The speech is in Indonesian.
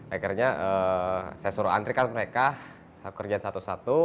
akhirnya saya suruh antrikan mereka kerjaan satu satu